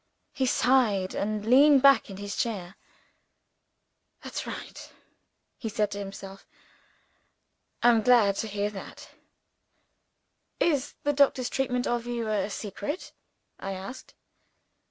He sighed, and leaned back in his chair. "That's right!" he said to himself. "I'm glad to hear that." "Is the doctor's treatment of you a secret?" I asked.